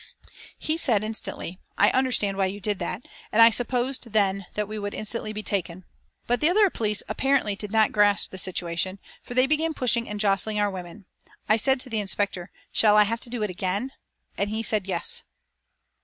He said instantly, "I understand why you did that," and I supposed then that we would instantly be taken. But the other police apparently did not grasp the situation, for they began pushing and jostling our women. I said to the inspector: "Shall I have to do it again?" and he said "Yes."